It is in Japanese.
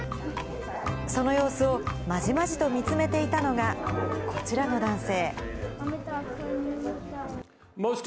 その様子を、まじまじと見つめていたのが、こちらの男性。